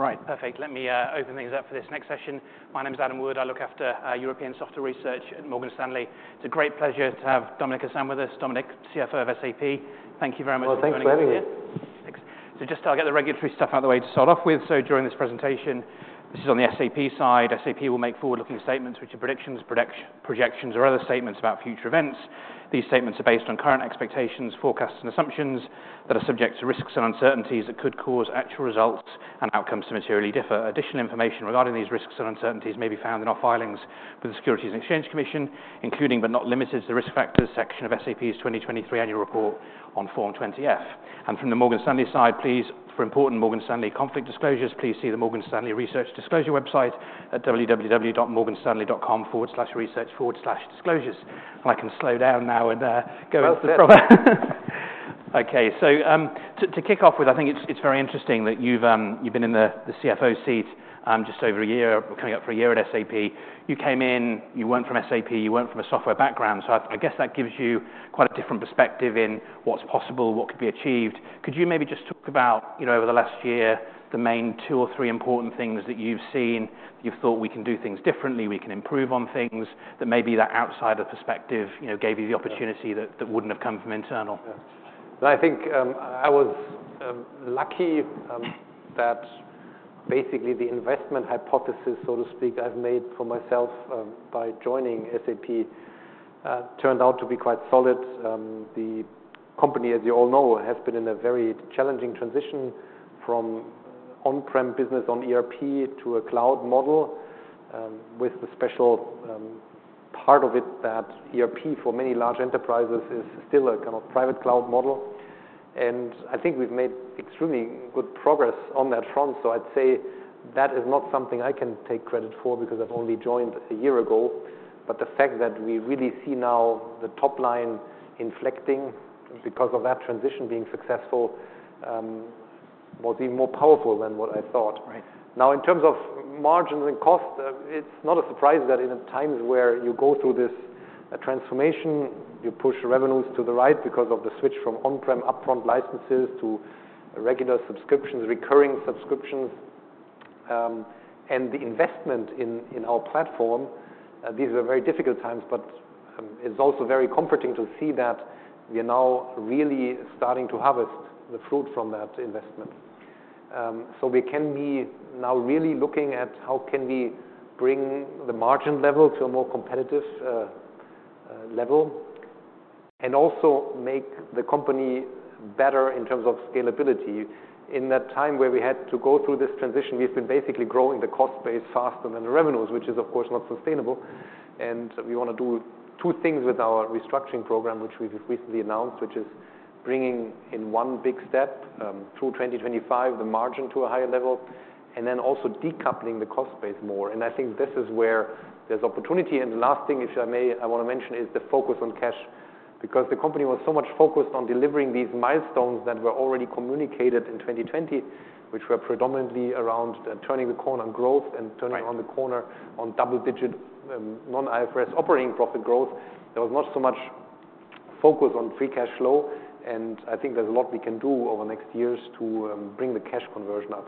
Right, perfect. Let me open things up for this next session. My name's Adam Wood. I look after European software research at Morgan Stanley. It's a great pleasure to have Dominik Asam with us. Dominik, CFO of SAP. Thank you very much for joining us here. Well, thanks for having me. Thanks. So just to get the regulatory stuff out of the way to start off with. So during this presentation, this is on the SAP side. SAP will make forward-looking statements, which are predictions, projections, or other statements about future events. These statements are based on current expectations, forecasts, and assumptions that are subject to risks and uncertainties that could cause actual results and outcomes to materially differ. Additional information regarding these risks and uncertainties may be found in our filings with the Securities and Exchange Commission, including but not limited to the risk factors section of SAP's 2023 annual report on Form 20-F. From the Morgan Stanley side, please, for important Morgan Stanley conflict disclosures, please see the Morgan Stanley Research Disclosure website at www.morganstanley.com/research/disclosures. I can slow down now and there, going through the problem. That's it. Okay. So to kick off with, I think it's very interesting that you've been in the CFO seat just over a year, coming up for a year at SAP. You came in, you weren't from SAP, you weren't from a software background. So I guess that gives you quite a different perspective in what's possible, what could be achieved. Could you maybe just talk about, over the last year, the main two or three important things that you've seen, that you've thought we can do things differently, we can improve on things, that maybe that outsider perspective gave you the opportunity that wouldn't have come from internal? Yeah. And I think I was lucky that basically the investment hypothesis, so to speak, I've made for myself by joining SAP turned out to be quite solid. The company, as you all know, has been in a very challenging transition from on-prem business on ERP to a cloud model, with the special part of it that ERP, for many large enterprises, is still a kind of private cloud model. And I think we've made extremely good progress on that front. So I'd say that is not something I can take credit for because I've only joined a year ago. But the fact that we really see now the top line inflecting because of that transition being successful was even more powerful than what I thought. Now, in terms of margins and cost, it's not a surprise that in times where you go through this transformation, you push revenues to the right because of the switch from on-prem upfront licenses to regular subscriptions, recurring subscriptions, and the investment in our platform. These were very difficult times, but it's also very comforting to see that we are now really starting to harvest the fruit from that investment. So we can be now really looking at how can we bring the margin level to a more competitive level and also make the company better in terms of scalability. In that time where we had to go through this transition, we've been basically growing the cost base faster than the revenues, which is, of course, not sustainable. And we want to do two things with our restructuring program, which we've recently announced, which is bringing in one big step through 2025 the margin to a higher level, and then also decoupling the cost base more. And I think this is where there's opportunity. And the last thing, if I may, I want to mention is the focus on cash. Because the company was so much focused on delivering these milestones that were already communicated in 2020, which were predominantly around turning the corner on growth and turning around the corner on double-digit non-IFRS operating profit growth, there was not so much focus on free cash flow. And I think there's a lot we can do over the next years to bring the cash conversion up.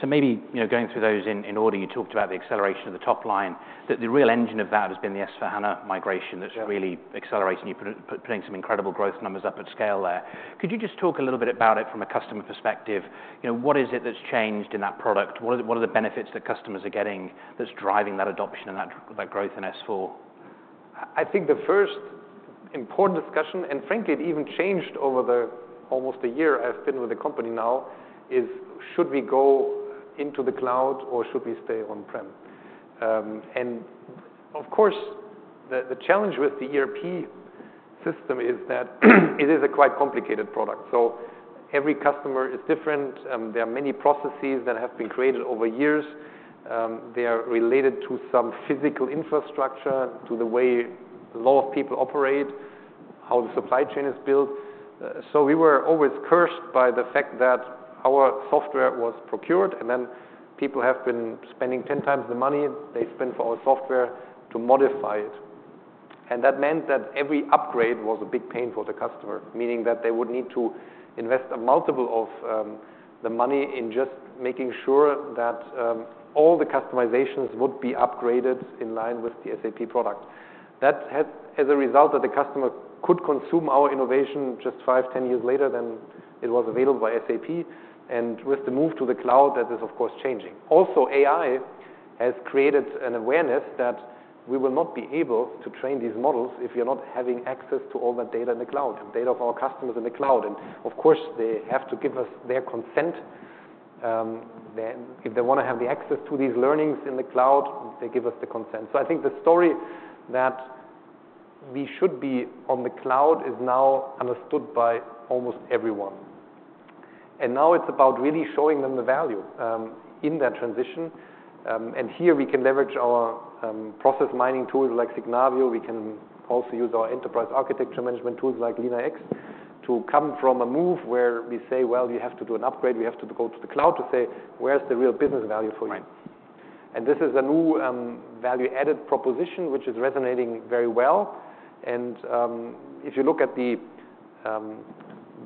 So maybe going through those in order, you talked about the acceleration of the top line. The real engine of that has been the S/4HANA migration that's really accelerating, putting some incredible growth numbers up at scale there. Could you just talk a little bit about it from a customer perspective? What is it that's changed in that product? What are the benefits that customers are getting that's driving that adoption and that growth in S/4? I think the first important discussion, and frankly, it even changed over almost a year I've been with the company now, is should we go into the cloud or should we stay on-prem? And of course, the challenge with the ERP system is that it is a quite complicated product. So every customer is different. There are many processes that have been created over years. They are related to some physical infrastructure, to the way a lot of people operate, how the supply chain is built. So we were always cursed by the fact that our software was procured, and then people have been spending 10 times the money they spend for our software to modify it. That meant that every upgrade was a big pain for the customer, meaning that they would need to invest a multiple of the money in just making sure that all the customizations would be upgraded in line with the SAP product. That had, as a result, that the customer could consume our innovation just five, 10 years later than it was available by SAP. And with the move to the cloud, that is, of course, changing. Also, AI has created an awareness that we will not be able to train these models if we are not having access to all that data in the cloud, data of our customers in the cloud. And of course, they have to give us their consent. If they want to have the access to these learnings in the cloud, they give us the consent. So I think the story that we should be on the cloud is now understood by almost everyone. And now it's about really showing them the value in that transition. And here we can leverage our process mining tools like Signavio. We can also use our enterprise architecture management tools like LeanIX to come from a move where we say, well, you have to do an upgrade. We have to go to the cloud to say, where's the real business value for you? And this is a new value-added proposition, which is resonating very well. And if you look at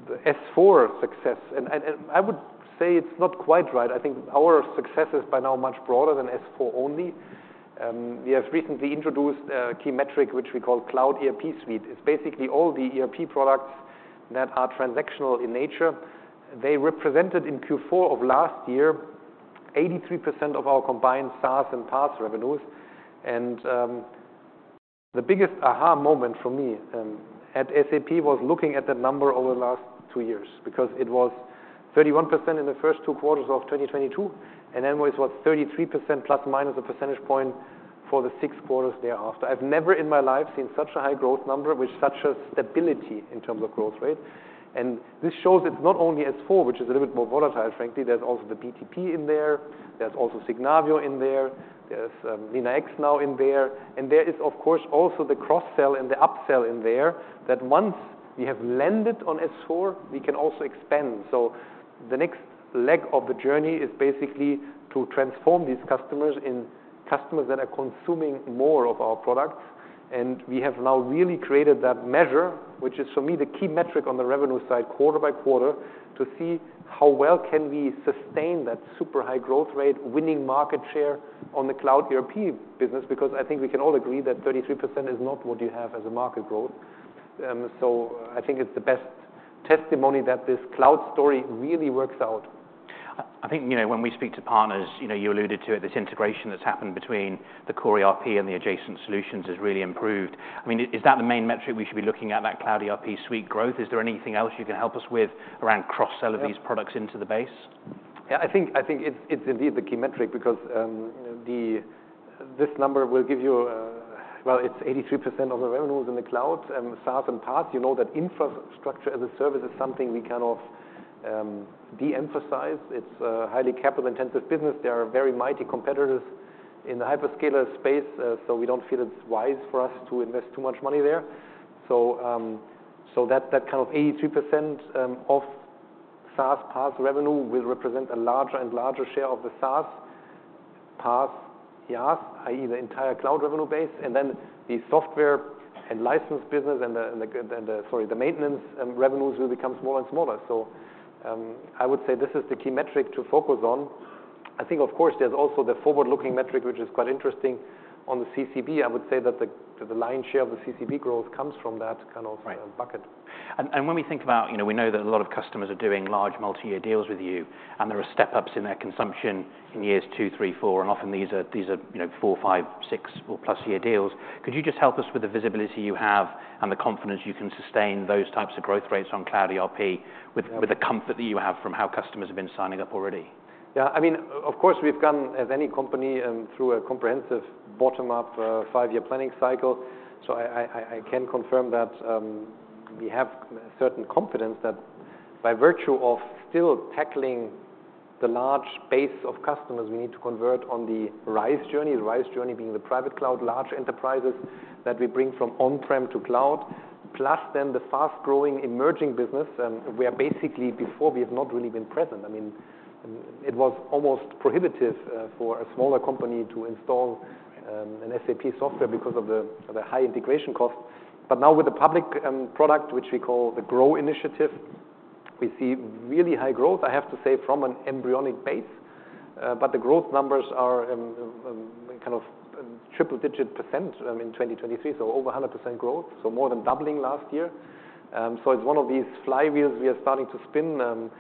the S/4 success, and I would say it's not quite right. I think our success is by now much broader than S/4 only. We have recently introduced a key metric, which we call Cloud ERP Suite. It's basically all the ERP products that are transactional in nature. They represented in Q4 of last year 83% of our combined SaaS and PaaS revenues. And the biggest aha moment for me at SAP was looking at that number over the last two years because it was 31% in the first two quarters of 2022. And then it was, what, 33% ± a percentage point for the six quarters thereafter. I've never in my life seen such a high growth number with such a stability in terms of growth rate. And this shows it's not only S/4, which is a little bit more volatile, frankly. There's also the BTP in there. There's also Signavio in there. There's LeanIX now in there. And there is, of course, also the cross-sell and the upsell in there that once we have landed on S/4, we can also expand. So the next leg of the journey is basically to transform these customers in customers that are consuming more of our products. And we have now really created that measure, which is for me the key metric on the revenue side quarter by quarter, to see how well can we sustain that super high growth rate, winning market share on the cloud ERP business. Because I think we can all agree that 33% is not what you have as a market growth. So I think it's the best testimony that this cloud story really works out. I think when we speak to partners, you alluded to it. This integration that's happened between the core ERP and the adjacent solutions has really improved. I mean, is that the main metric we should be looking at, that Cloud ERP Suite growth? Is there anything else you can help us with around cross-sell of these products into the base? Yeah, I think it's indeed the key metric because this number will give you, well, it's 83% of the revenues in the cloud. SaaS and PaaS, you know that infrastructure as a service is something we kind of de-emphasize. It's a highly capital-intensive business. There are very mighty competitors in the hyperscaler space. So we don't feel it's wise for us to invest too much money there. So that kind of 83% of SaaS, PaaS revenue will represent a larger and larger share of the SaaS, PaaS, IaaS, i.e., the entire cloud revenue base. And then the software and license business and, sorry, the maintenance revenues will become smaller and smaller. So I would say this is the key metric to focus on. I think, of course, there's also the forward-looking metric, which is quite interesting on the CCB. I would say that the lion's share of the CCB growth comes from that kind of bucket. When we think about, we know that a lot of customers are doing large multi-year deals with you, and there are step-ups in their consumption in years two, three, four. Often these are four, five, six, or plus-year deals. Could you just help us with the visibility you have and the confidence you can sustain those types of growth rates on Cloud ERP with the comfort that you have from how customers have been signing up already? Yeah. I mean, of course, we've gone, as any company, through a comprehensive bottom-up five-year planning cycle. So I can confirm that we have a certain confidence that by virtue of still tackling the large base of customers we need to convert on the RISE journey, the RISE journey being the private cloud, large enterprises that we bring from on-prem to cloud, plus then the fast-growing emerging business, where basically before we have not really been present. I mean, it was almost prohibitive for a smaller company to install an SAP software because of the high integration cost. But now with the public product, which we call the GROW Initiative, we see really high growth, I have to say, from an embryonic base. But the growth numbers are kind of triple-digit percent in 2023, so over 100% growth, so more than doubling last year. So it's one of these flywheels we are starting to spin.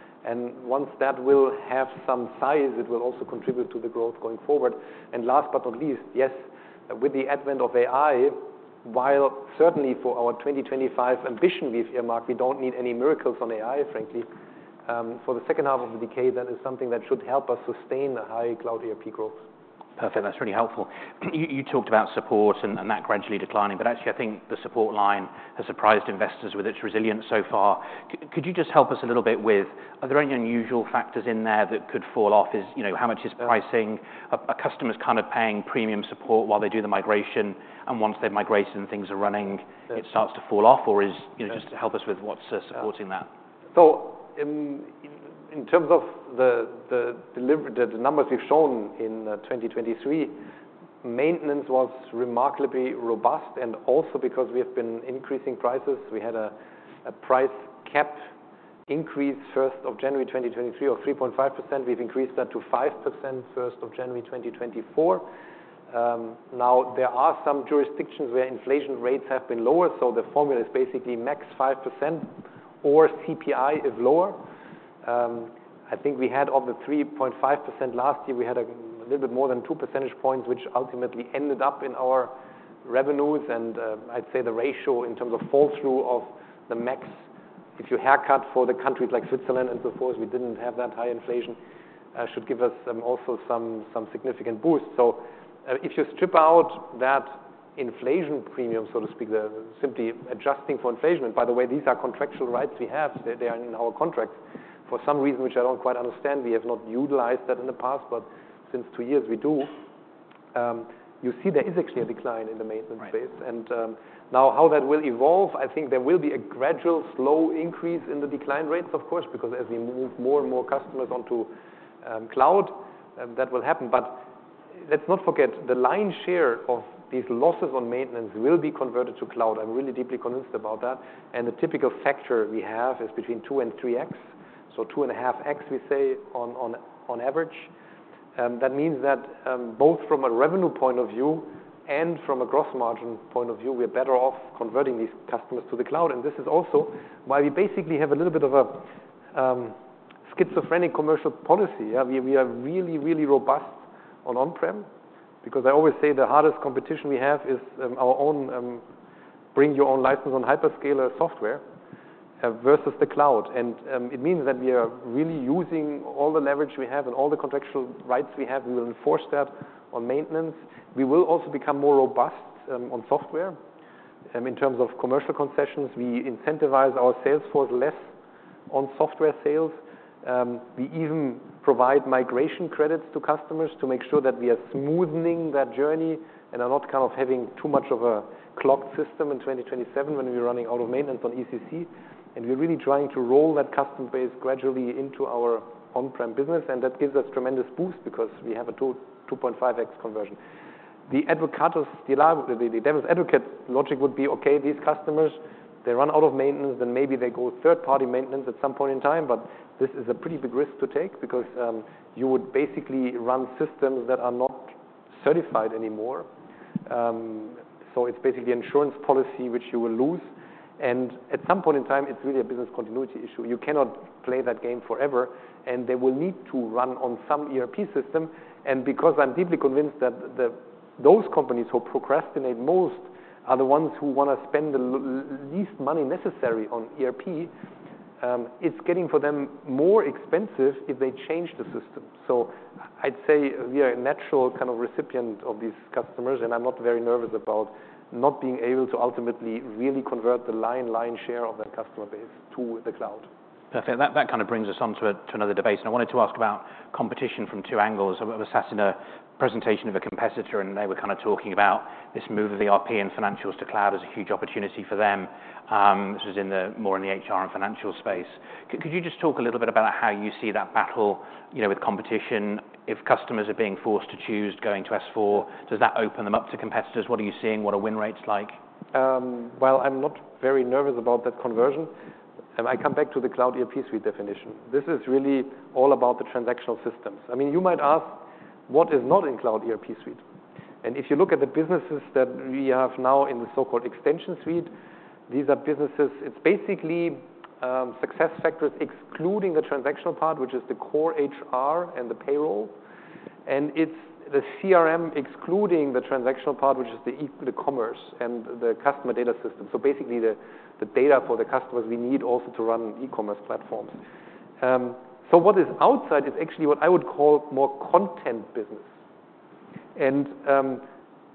Once that will have some size, it will also contribute to the growth going forward. Last but not least, yes, with the advent of AI, while certainly for our 2025 ambition we've earmarked, we don't need any miracles on AI, frankly, for the second half of the decade, that is something that should help us sustain a high cloud ERP growth. Perfect. That's really helpful. You talked about support and that gradually declining. But actually, I think the support line has surprised investors with its resilience so far. Could you just help us a little bit with, are there any unusual factors in there that could fall off? How much is pricing? Are customers kind of paying premium support while they do the migration? And once they've migrated and things are running, it starts to fall off? Or just help us with what's supporting that. In terms of the numbers we've shown in 2023, maintenance was remarkably robust. Also because we have been increasing prices, we had a price cap increase January 1, 2023 of 3.5%. We've increased that to 5% January 1, 2024. Now, there are some jurisdictions where inflation rates have been lower. The formula is basically max 5% or CPI if lower. I think we had, of the 3.5% last year, we had a little bit more than two percentage points, which ultimately ended up in our revenues. I'd say the ratio in terms of fall-through of the max, if you haircut for the countries like Switzerland and so forth, we didn't have that high inflation, should give us also some significant boost. So if you strip out that inflation premium, so to speak, then simply adjusting for inflation—and by the way, these are contractual rights we have. They are in our contracts. For some reason, which I don't quite understand, we have not utilized that in the past. But since two years, we do. You see, there is actually a decline in the maintenance base. And now, how that will evolve, I think there will be a gradual, slow increase in the decline rates, of course. Because as we move more and more customers onto cloud, that will happen. But let's not forget, the lion's share of these losses on maintenance will be converted to cloud. I'm really deeply convinced about that. And the typical factor we have is between 2x-3x. So 2.5x, we say, on average. That means that both from a revenue point of view and from a gross margin point of view, we are better off converting these customers to the cloud. And this is also why we basically have a little bit of a schizophrenic commercial policy. We are really, really robust on on-prem. Because I always say the hardest competition we have is our own bring-your-own-license-on-hyperscaler software versus the cloud. And it means that we are really using all the leverage we have and all the contractual rights we have. We will enforce that on maintenance. We will also become more robust on software in terms of commercial concessions. We incentivize our sales force less on software sales. We even provide migration credits to customers to make sure that we are smoothening that journey and are not kind of having too much of a clocked system in 2027 when we're running out of maintenance on ECC. We're really trying to roll that custom base gradually into our on-prem business. That gives us tremendous boost because we have a 2.5x conversion. The devil's advocate logic would be, OK, these customers, they run out of maintenance. Then maybe they go third-party maintenance at some point in time. This is a pretty big risk to take because you would basically run systems that are not certified anymore. It's basically insurance policy, which you will lose. At some point in time, it's really a business continuity issue. You cannot play that game forever. They will need to run on some ERP system. Because I'm deeply convinced that those companies who procrastinate most are the ones who want to spend the least money necessary on ERP, it's getting for them more expensive if they change the system. I'd say we are a natural kind of recipient of these customers. I'm not very nervous about not being able to ultimately really convert the lion's share of that customer base to the cloud. Perfect. That kind of brings us on to another debate. I wanted to ask about competition from two angles. I was asked in a presentation of a competitor. They were kind of talking about this move of the ERP and financials to cloud as a huge opportunity for them. This was more in the HR and financial space. Could you just talk a little bit about how you see that battle with competition? If customers are being forced to choose going to S/4, does that open them up to competitors? What are you seeing? What are win rates like? Well, I'm not very nervous about that conversion. I come back to the Cloud ERP Suite definition. This is really all about the transactional systems. I mean, you might ask, what is not in Cloud ERP Suite? And if you look at the businesses that we have now in the so-called Extension Suite, these are businesses it's basically SuccessFactors excluding the transactional part, which is the core HR and the payroll. And it's the CRM excluding the transactional part, which is the commerce and the customer data system. So basically the data for the customers we need also to run e-commerce platforms. So what is outside is actually what I would call more content business. And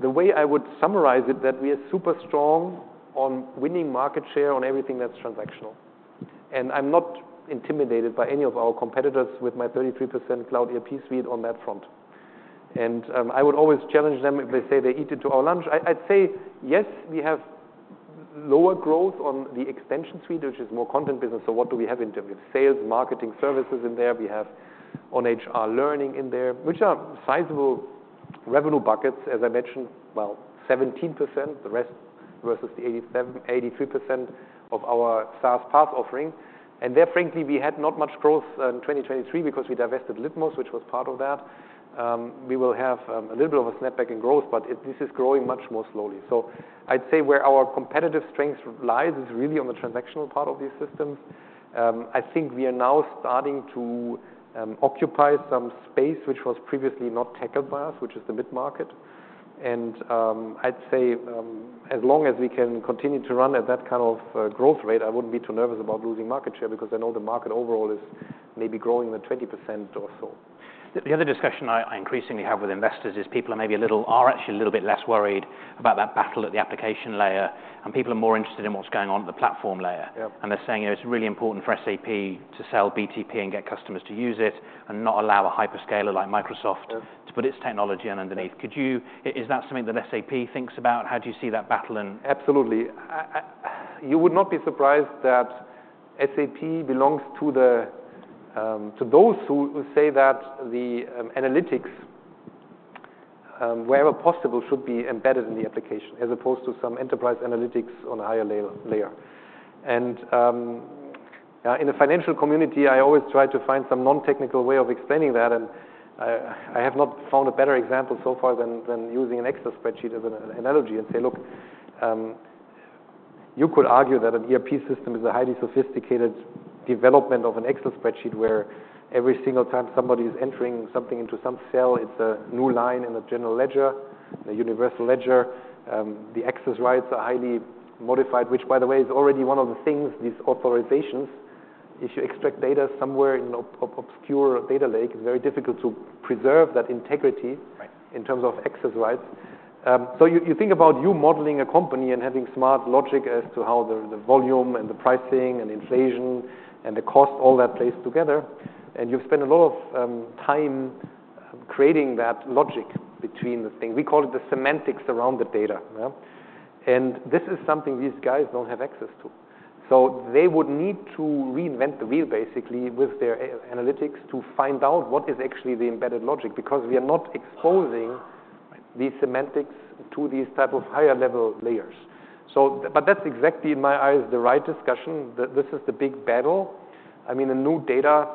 the way I would summarize it, that we are super strong on winning market share on everything that's transactional. I'm not intimidated by any of our competitors with my 33% Cloud ERP Suite on that front. I would always challenge them if they say they eat into our lunch. I'd say, yes, we have lower growth on the Extension Suite, which is more content business. So what do we have in terms of sales, marketing, services in there? We have on HR learning in there, which are sizable revenue buckets, as I mentioned, well, 17%, the rest versus the 83% of our SaaS, PaaS offering. There, frankly, we had not much growth in 2023 because we divested Litmos, which was part of that. We will have a little bit of a snapback in growth. But this is growing much more slowly. So I'd say where our competitive strength lies is really on the transactional part of these systems. I think we are now starting to occupy some space, which was previously not tackled by us, which is the mid-market. I'd say as long as we can continue to run at that kind of growth rate, I wouldn't be too nervous about losing market share because I know the market overall is maybe growing the 20% or so. The other discussion I increasingly have with investors is people are maybe a little actually a little bit less worried about that battle at the application layer. People are more interested in what's going on at the platform layer. They're saying it's really important for SAP to sell BTP and get customers to use it and not allow a hyperscaler like Microsoft to put its technology underneath. Is that something that SAP thinks about? How do you see that battle? Absolutely. You would not be surprised that SAP belongs to those who say that the analytics, wherever possible, should be embedded in the application as opposed to some enterprise analytics on a higher layer. In the financial community, I always try to find some non-technical way of explaining that. I have not found a better example so far than using an Excel spreadsheet as an analogy and say, look, you could argue that an ERP system is a highly sophisticated development of an Excel spreadsheet where every single time somebody is entering something into some cell, it's a new line in the general ledger, the universal ledger. The access rights are highly modified, which, by the way, is already one of the things these authorizations, if you extract data somewhere in an obscure data lake, it's very difficult to preserve that integrity in terms of access rights. So you think about you modeling a company and having smart logic as to how the volume and the pricing and inflation and the cost, all that plays together. And you've spent a lot of time creating that logic between the thing. We call it the semantics around the data. And this is something these guys don't have access to. So they would need to reinvent the wheel, basically, with their analytics to find out what is actually the embedded logic because we are not exposing these semantics to these types of higher-level layers. But that's exactly, in my eyes, the right discussion. This is the big battle. I mean, the new data,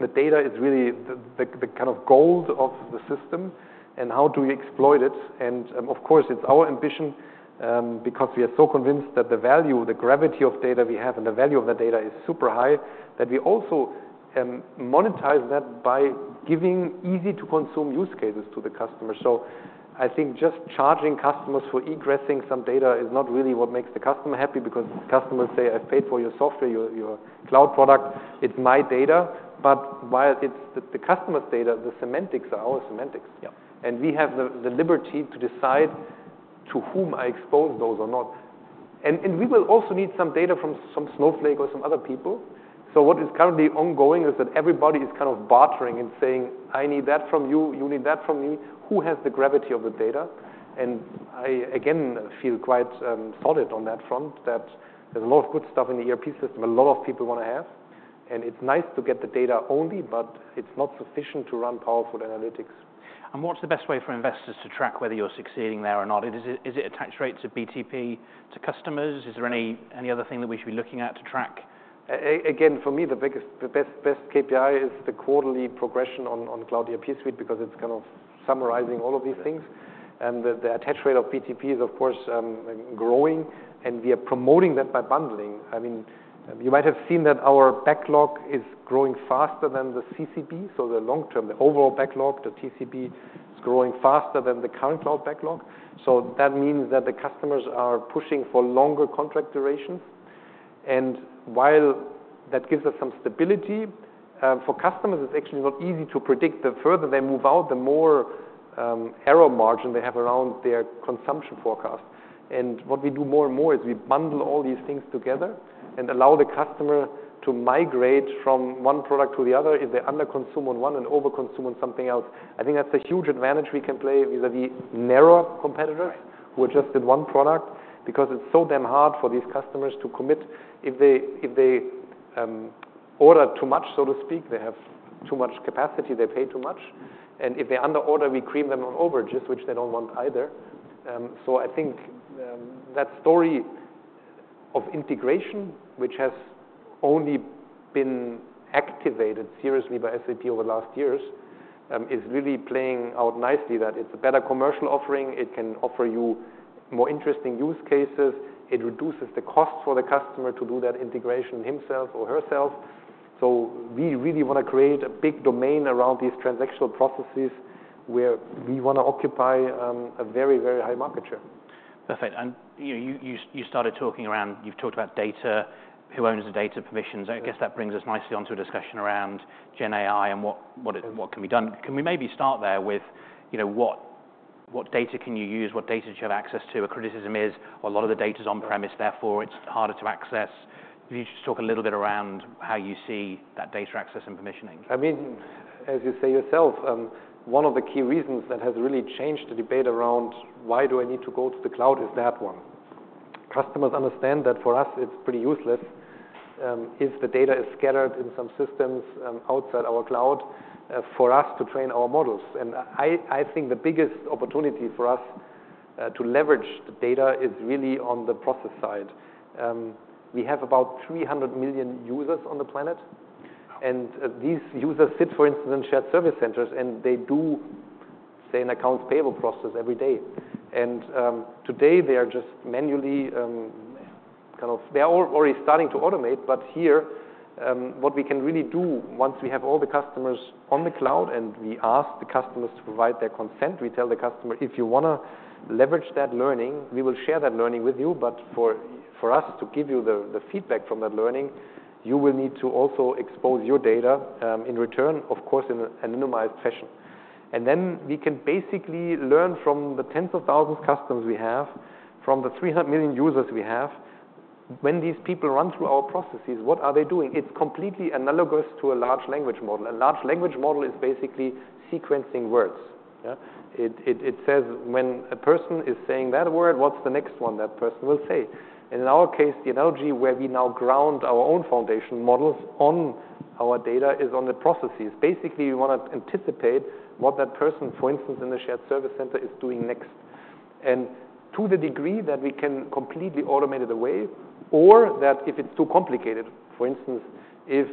the data is really the kind of gold of the system. And how do you exploit it? And of course, it's our ambition because we are so convinced that the value, the gravity of data we have and the value of the data is super high that we also monetize that by giving easy-to-consume use cases to the customers. So I think just charging customers for egressing some data is not really what makes the customer happy because customers say, I've paid for your software, your cloud product. It's my data. But while it's the customer's data, the semantics are our semantics. And we have the liberty to decide to whom I expose those or not. And we will also need some data from some Snowflake or some other people. So what is currently ongoing is that everybody is kind of bartering and saying, I need that from you. You need that from me. Who has the gravity of the data? I, again, feel quite solid on that front that there's a lot of good stuff in the ERP system a lot of people want to have. It's nice to get the data only. But it's not sufficient to run powerful analytics. What's the best way for investors to track whether you're succeeding there or not? Is it attached rates of BTP to customers? Is there any other thing that we should be looking at to track? Again, for me, the best KPI is the quarterly progression on Cloud ERP Suite because it's kind of summarizing all of these things. The attached rate of BTP is, of course, growing. We are promoting that by bundling. I mean, you might have seen that our backlog is growing faster than the CCB. The long-term, the overall backlog, the TCB, is growing faster than the current cloud backlog. That means that the customers are pushing for longer contract durations. While that gives us some stability, for customers, it's actually not easy to predict. The further they move out, the more error margin they have around their consumption forecast. What we do more and more is we bundle all these things together and allow the customer to migrate from one product to the other if they underconsume on one and overconsume on something else. I think that's a huge advantage we can play vis-à-vis narrow competitors who are just in one product because it's so damn hard for these customers to commit. If they order too much, so to speak, they have too much capacity. They pay too much. And if they underorder, we cream them on overages, which they don't want either. So I think that story of integration, which has only been activated seriously by SAP over the last years, is really playing out nicely, that it's a better commercial offering. It can offer you more interesting use cases. It reduces the cost for the customer to do that integration himself or herself. So we really want to create a big domain around these transactional processes where we want to occupy a very, very high market share. Perfect. And you started talking around—you've talked about data. Who owns the data permissions? I guess that brings us nicely onto a discussion around Gen AI and what can be done. Can we maybe start there with what data can you use? What data do you have access to? A criticism is, well, a lot of the data is on-premise. Therefore, it's harder to access. If you could just talk a little bit around how you see that data access and permissioning. I mean, as you say yourself, one of the key reasons that has really changed the debate around why do I need to go to the cloud is that one. Customers understand that for us, it's pretty useless if the data is scattered in some systems outside our cloud for us to train our models. And I think the biggest opportunity for us to leverage the data is really on the process side. We have about 300 million users on the planet. And these users sit, for instance, in shared service centers. And they do, say, an accounts payable process every day. And today, they are just manually kind of they're already starting to automate. But here, what we can really do once we have all the customers on the cloud and we ask the customers to provide their consent, we tell the customer, if you want to leverage that learning, we will share that learning with you. But for us to give you the feedback from that learning, you will need to also expose your data in return, of course, in an anonymized fashion. And then we can basically learn from the tens of thousands of customers we have, from the 300 million users we have, when these people run through our processes, what are they doing? It's completely analogous to a large language model. A large language model is basically sequencing words. It says, when a person is saying that word, what's the next one that person will say? In our case, the analogy where we now ground our own foundation models on our data is on the processes. Basically, we want to anticipate what that person, for instance, in the shared service center is doing next, and to the degree that we can completely automate it away or that if it's too complicated, for instance, if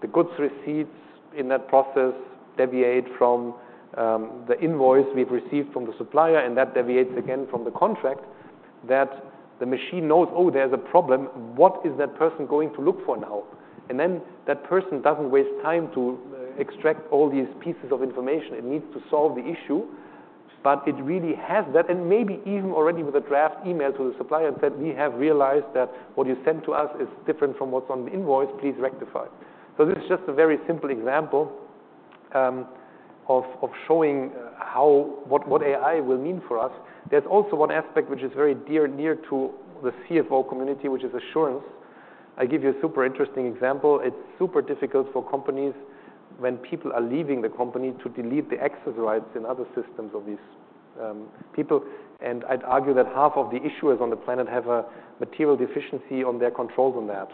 the goods receipts in that process deviate from the invoice we've received from the supplier and that deviates again from the contract, that the machine knows, oh, there's a problem. What is that person going to look for now? And then that person doesn't waste time to extract all these pieces of information. It needs to solve the issue. But it really has that and maybe even already with a draft email to the supplier and said, "We have realized that what you sent to us is different from what's on the invoice. Please rectify." So this is just a very simple example of showing what AI will mean for us. There's also one aspect which is very dear and near to the CFO community, which is assurance. I give you a super interesting example. It's super difficult for companies, when people are leaving the company, to delete the access rights in other systems of these people. And I'd argue that half of the issuers on the planet have a material deficiency on their controls on that.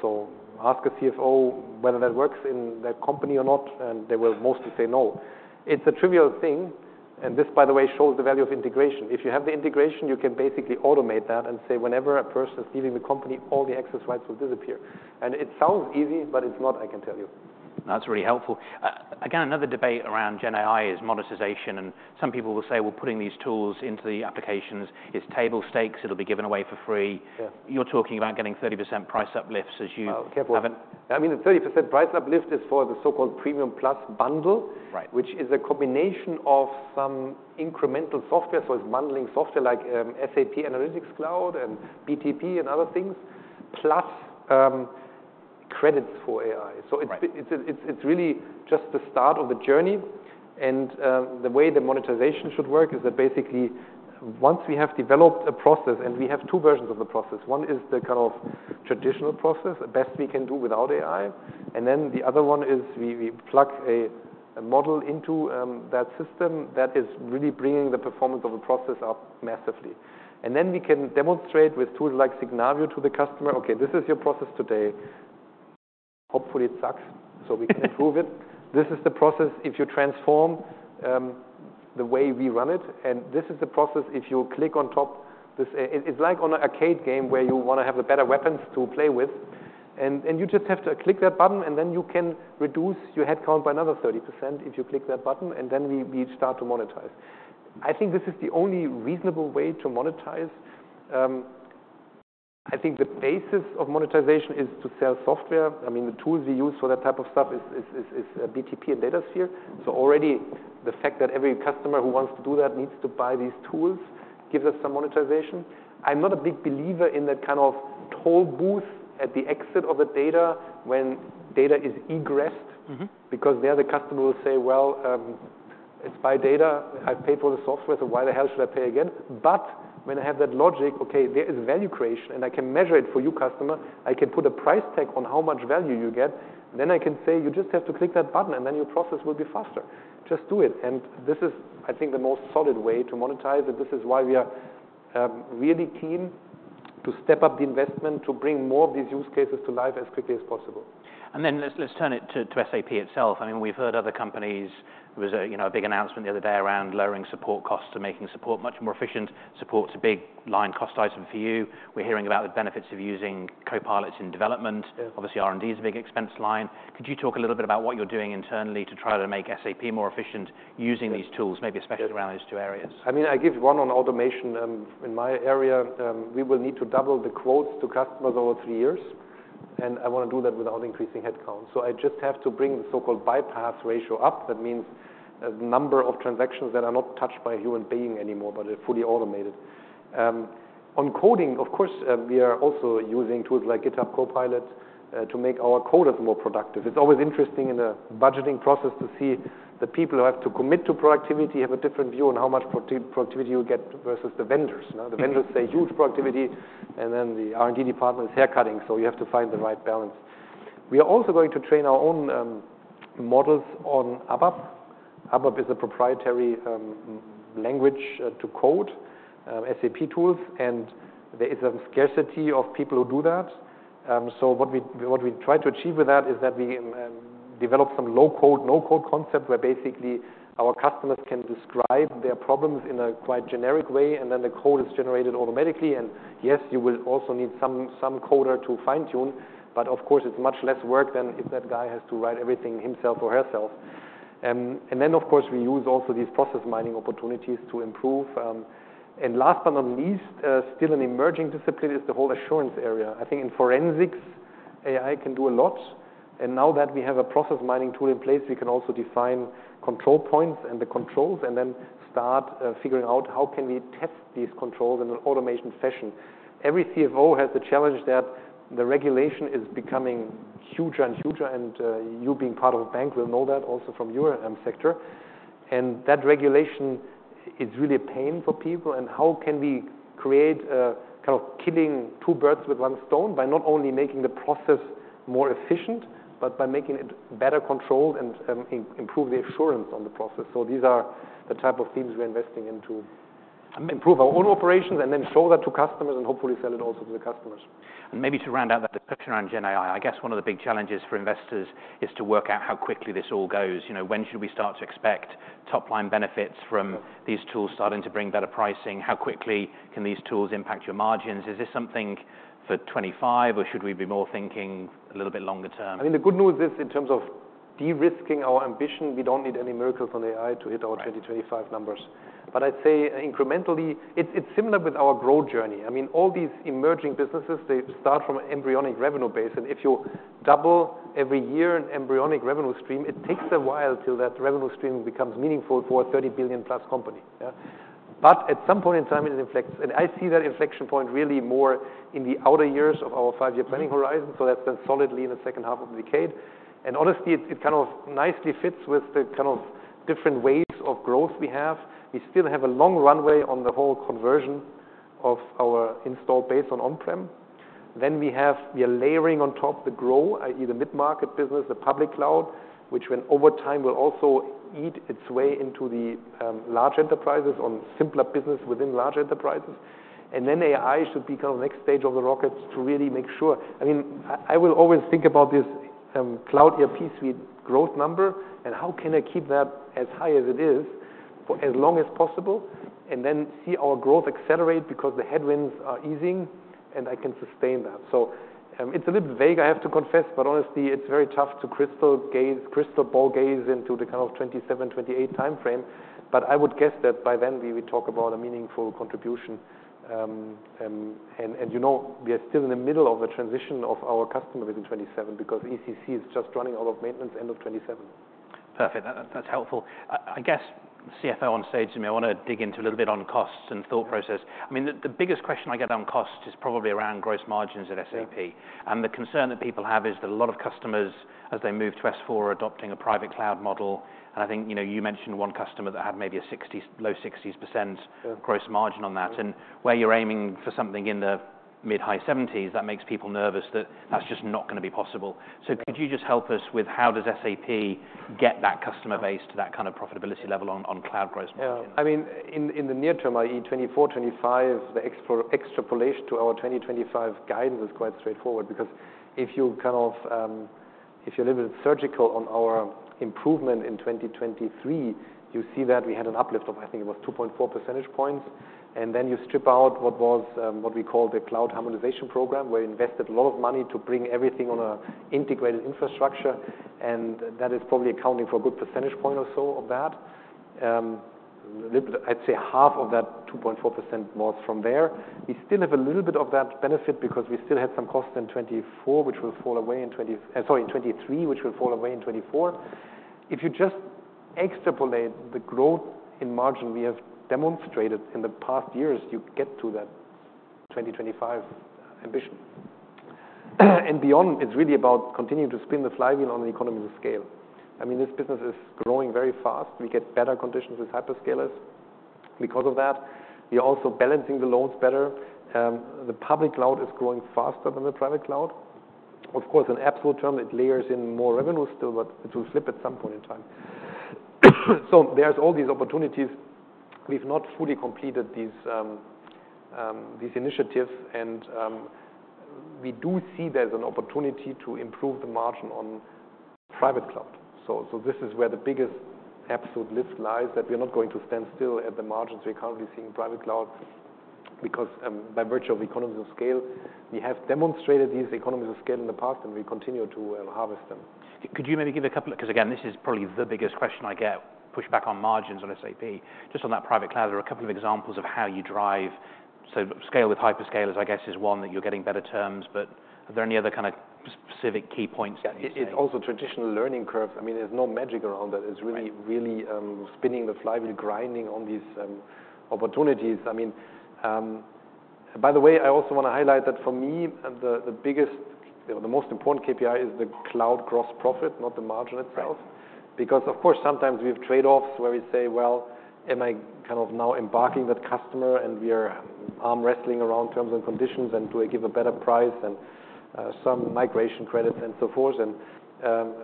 So ask a CFO whether that works in their company or not. And they will mostly say no. It's a trivial thing. And this, by the way, shows the value of integration. If you have the integration, you can basically automate that and say, whenever a person is leaving the company, all the access rights will disappear. It sounds easy. It's not, I can tell you. No, that's really helpful. Again, another debate around Gen AI is monetization. And some people will say, well, putting these tools into the applications is table stakes. It'll be given away for free. You're talking about getting 30% price uplifts as you haven't. Careful. I mean, the 30% price uplift is for the so-called Premium Plus bundle, which is a combination of some incremental software. So it's bundling software like SAP Analytics Cloud and BTP and other things plus credits for AI. So it's really just the start of the journey. And the way the monetization should work is that basically, once we have developed a process and we have two versions of the process, one is the kind of traditional process, the best we can do without AI. And then the other one is we plug a model into that system that is really bringing the performance of the process up massively. And then we can demonstrate with tools like Signavio to the customer, OK, this is your process today. Hopefully, it sucks. So we can improve it. This is the process if you transform the way we run it. This is the process if you click on top. It's like on an arcade game where you want to have the better weapons to play with. And you just have to click that button. And then you can reduce your headcount by another 30% if you click that button. And then we start to monetize. I think this is the only reasonable way to monetize. I think the basis of monetization is to sell software. I mean, the tools we use for that type of stuff is BTP and Datasphere. So already, the fact that every customer who wants to do that needs to buy these tools gives us some monetization. I'm not a big believer in that kind of toll booth at the exit of the data when data is egressed because there, the customer will say, well, it's my data. I've paid for the software. So why the hell should I pay again? But when I have that logic, OK, there is value creation. And I can measure it for you, customer. I can put a price tag on how much value you get. Then I can say, you just have to click that button. And then your process will be faster. Just do it. And this is, I think, the most solid way to monetize. And this is why we are really keen to step up the investment to bring more of these use cases to life as quickly as possible. And then let's turn it to SAP itself. I mean, we've heard other companies. There was a big announcement the other day around lowering support costs to making support much more efficient, support to big line cost item for you. We're hearing about the benefits of using Copilot in development. Obviously, R&D is a big expense line. Could you talk a little bit about what you're doing internally to try to make SAP more efficient using these tools, maybe especially around those two areas? I mean, I give one on automation. In my area, we will need to double the quotes to customers over three years. I want to do that without increasing headcount. So I just have to bring the so-called bypass ratio up. That means the number of transactions that are not touched by human being anymore but are fully automated. On coding, of course, we are also using tools like GitHub Copilot to make our coders more productive. It's always interesting in a budgeting process to see the people who have to commit to productivity have a different view on how much productivity you get versus the vendors. The vendors say huge productivity. Then the R&D department is haircutting. So you have to find the right balance. We are also going to train our own models on ABAP. ABAP is a proprietary language to code SAP tools. There is some scarcity of people who do that. So what we try to achieve with that is that we develop some low-code, no-code concept where basically our customers can describe their problems in a quite generic way. And then the code is generated automatically. And yes, you will also need some coder to fine-tune. But of course, it's much less work than if that guy has to write everything himself or herself. And then, of course, we use also these process mining opportunities to improve. And last but not least, still an emerging discipline is the whole assurance area. I think in forensics, AI can do a lot. And now that we have a process mining tool in place, we can also define control points and the controls and then start figuring out how can we test these controls in an automation fashion. Every CFO has the challenge that the regulation is becoming huger and huger. And you being part of a bank will know that also from your sector. And that regulation is really a pain for people. And how can we create a kind of killing two birds with one stone by not only making the process more efficient but by making it better controlled and improve the assurance on the process? So these are the type of themes we're investing into to improve our own operations and then show that to customers and hopefully sell it also to the customers. Maybe to round out that discussion around Gen AI, I guess one of the big challenges for investors is to work out how quickly this all goes. When should we start to expect top-line benefits from these tools starting to bring better pricing? How quickly can these tools impact your margins? Is this something for 2025? Or should we be more thinking a little bit longer term? I mean, the good news is in terms of de-risking our ambition, we don't need any miracles on AI to hit our 2025 numbers. But I'd say incrementally, it's similar with our growth journey. I mean, all these emerging businesses, they start from an embryonic revenue base. And if you double every year an embryonic revenue stream, it takes a while till that revenue stream becomes meaningful for a $30 billion-plus company. But at some point in time, it inflects. And I see that inflection point really more in the outer years of our five-year planning horizon. So that's been solidly in the second half of the decade. And honestly, it kind of nicely fits with the kind of different waves of growth we have. We still have a long runway on the whole conversion of our installed base on on-prem. Then we have layering on top the GROW, i.e., the mid-market business, the public cloud, which over time will also eat its way into the large enterprises on simpler business within large enterprises. And then AI should be kind of the next stage of the rocket to really make sure I mean, I will always think about this Cloud ERP Suite growth number. And how can I keep that as high as it is for as long as possible and then see our growth accelerate because the headwinds are easing? And I can sustain that. So it's a little bit vague, I have to confess. But honestly, it's very tough to crystal ball gaze into the kind of 2027, 2028 time frame. But I would guess that by then, we would talk about a meaningful contribution. You know we are still in the middle of the transition of our customer base in 2027 because ECC is just running out of maintenance end of 2027. Perfect. That's helpful. I guess CFO on stage to me, I want to dig into a little bit on costs and thought process. I mean, the biggest question I get on costs is probably around gross margins at SAP. And the concern that people have is that a lot of customers, as they move to S/4HANA, are adopting a private cloud model. And I think you mentioned one customer that had maybe a low 60% gross margin on that. And where you're aiming for something in the mid-high 70s, that makes people nervous that that's just not going to be possible. So could you just help us with how does SAP get that customer base to that kind of profitability level on cloud gross margin? Yeah. I mean, in the near term, i.e., 2024, 2025, the extrapolation to our 2025 guidance is quite straightforward because if you kind of if you're a little bit surgical on our improvement in 2023, you see that we had an uplift of, I think it was 2.4% points. And then you strip out what was what we called the Cloud Harmonization Program, where we invested a lot of money to bring everything on an integrated infrastructure. And that is probably accounting for a good percentage point or so of that. I'd say half of that 2.4% was from there. We still have a little bit of that benefit because we still had some costs in 2024, which will fall away in 2023, which will fall away in 2024. If you just extrapolate the growth in margin we have demonstrated in the past years, you get to that 2025 ambition. And beyond, it's really about continuing to spin the flywheel on the economies of scale. I mean, this business is growing very fast. We get better conditions with hyperscalers because of that. We are also balancing the loans better. The public cloud is growing faster than the private cloud. Of course, in absolute terms, it layers in more revenue still. But it will flip at some point in time. So there's all these opportunities. We've not fully completed these initiatives. And we do see there's an opportunity to improve the margin on private cloud. So this is where the biggest absolute lift lies that we are not going to stand still at the margins. We are currently seeing private cloud because by virtue of economies of scale, we have demonstrated these economies of scale in the past. We continue to harvest them. Could you maybe give a couple of, because again, this is probably the biggest question I get, pushback on margins on SAP. Just on that private cloud, there are a couple of examples of how you drive so scale with hyperscalers, I guess, is one that you're getting better terms. But are there any other kind of specific key points? It's also traditional learning curves. I mean, there's no magic around that. It's really, really spinning the flywheel, grinding on these opportunities. I mean, by the way, I also want to highlight that for me, the biggest, the most important KPI is the cloud gross profit, not the margin itself because, of course, sometimes we have trade-offs where we say, well, am I kind of now embarking that customer? And we are arm-wrestling around terms and conditions. And do I give a better price and some migration credits and so forth? And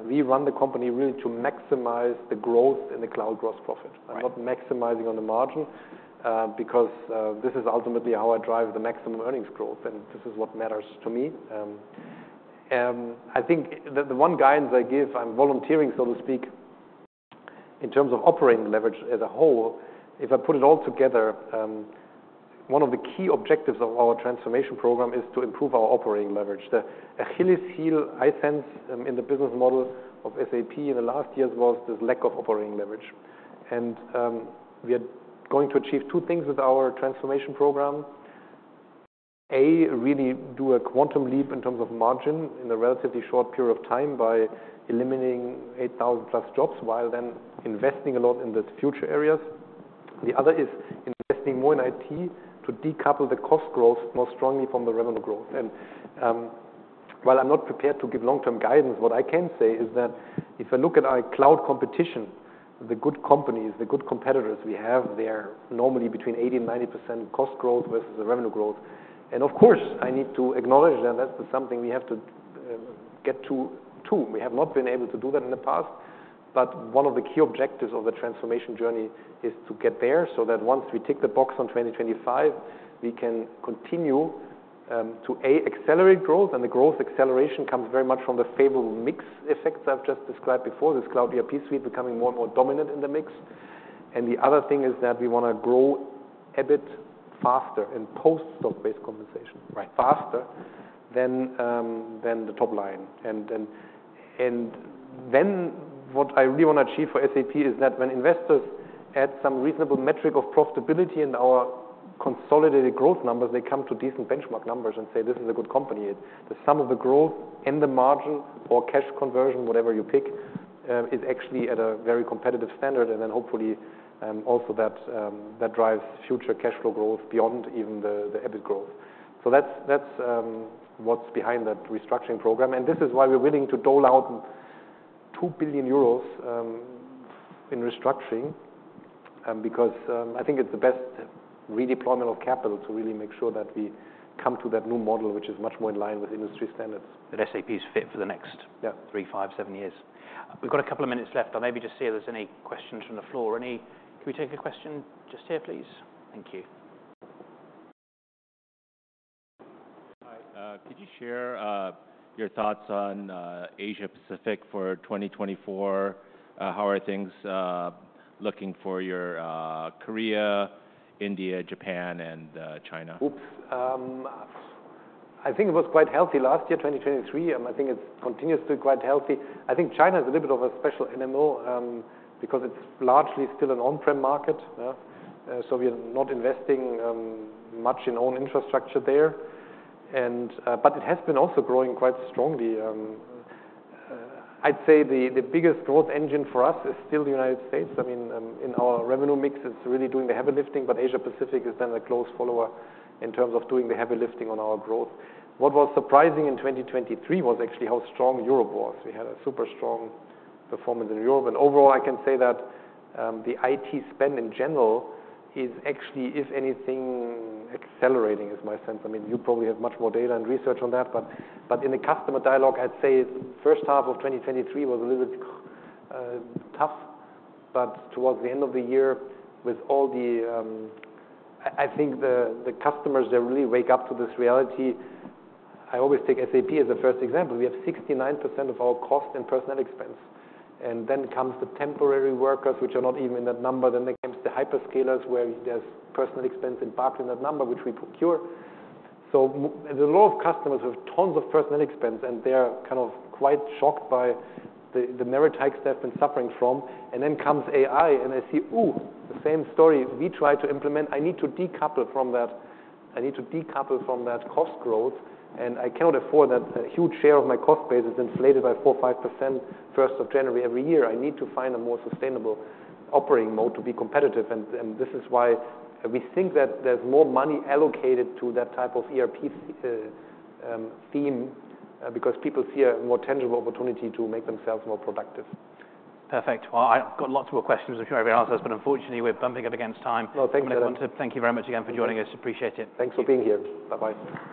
we run the company really to maximize the growth in the cloud gross profit. I'm not maximizing on the margin because this is ultimately how I drive the maximum earnings growth. And this is what matters to me. I think the one guidance I give, I'm volunteering, so to speak, in terms of operating leverage as a whole. If I put it all together, one of the key objectives of our transformation program is to improve our operating leverage. The Achilles heel I sense in the business model of SAP in the last years was this lack of operating leverage. We are going to achieve two things with our transformation program. A, really do a quantum leap in terms of margin in a relatively short period of time by eliminating 8,000+ jobs while then investing a lot in the future areas. The other is investing more in IT to decouple the cost growth more strongly from the revenue growth. While I'm not prepared to give long-term guidance, what I can say is that if I look at our cloud competition, the good companies, the good competitors we have, they're normally between 80%-90% cost growth versus the revenue growth. Of course, I need to acknowledge that that's something we have to get to too. We have not been able to do that in the past. One of the key objectives of the transformation journey is to get there so that once we tick the box on 2025, we can continue to a, accelerate growth. The growth acceleration comes very much from the favorable mix effects I've just described before, this Cloud ERP Suite becoming more and more dominant in the mix. The other thing is that we want to grow a bit faster in post-stock-based compensation, faster than the top line. Then what I really want to achieve for SAP is that when investors add some reasonable metric of profitability in our consolidated growth numbers, they come to decent benchmark numbers and say, this is a good company. The sum of the growth and the margin or cash conversion, whatever you pick, is actually at a very competitive standard. And then hopefully, also, that drives future cash flow growth beyond even the EBIT growth. So that's what's behind that restructuring program. And this is why we're willing to dole out 2 billion euros in restructuring because I think it's the best redeployment of capital to really make sure that we come to that new model, which is much more in line with industry standards. That SAP is fit for the next three, five, seven years. We've got a couple of minutes left. I'll maybe just see if there's any questions from the floor. Can we take a question just here, please? Thank you. Hi. Could you share your thoughts on Asia-Pacific for 2024? How are things looking for your Korea, India, Japan, and China? Oops. I think it was quite healthy last year, 2023. I think it continues to be quite healthy. I think China is a little bit of a special [MMO] because it's largely still an on-prem market. So we are not investing much in own infrastructure there. But it has been also growing quite strongly. I'd say the biggest growth engine for us is still the United States. I mean, in our revenue mix, it's really doing the heavy lifting. But Asia-Pacific is then a close follower in terms of doing the heavy lifting on our growth. What was surprising in 2023 was actually how strong Europe was. We had a super strong performance in Europe. And overall, I can say that the IT spend in general is actually, if anything, accelerating, is my sense. I mean, you probably have much more data and research on that. But in the customer dialogue, I'd say the first half of 2023 was a little bit tough. But towards the end of the year, with all the, I think, the customers, they really wake up to this reality. I always take SAP as the first example. We have 69% of our cost in personnel expense. And then comes the temporary workers, which are not even in that number. Then there comes the hyperscalers, where there's personnel expense embarked in that number, which we procure. So there's a lot of customers who have tons of personnel expense. And they're kind of quite shocked by the merit hikes they've been suffering from. And then comes AI. And I see, ooh, the same story. We try to implement. I need to decouple from that. I need to decouple from that cost growth. I cannot afford that a huge share of my cost base is inflated by 4%, 5% 1st of January every year. I need to find a more sustainable operating mode to be competitive. This is why we think that there's more money allocated to that type of ERP theme because people see a more tangible opportunity to make themselves more productive. Perfect. Well, I've got lots more questions. I'm sure everyone else has. But unfortunately, we're bumping up against time. No, thank you. I want to thank you very much again for joining us. Appreciate it. Thanks for being here. Bye-bye.